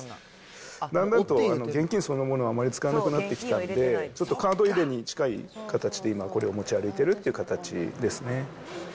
だんだんと現金そのものはあまり使わなくなってきたんで、ちょっとカード入れに近い形で、今、これを持ち歩いてるっていう形ですね。